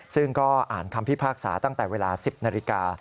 ซึ่งก็อ่านคำพิพากษาตั้งแต่เวลา๑๐นาฬิกา